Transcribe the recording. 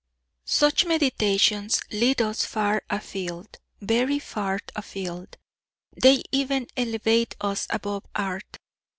Such meditations lead us far afield, very far afield (they even elevate us above art).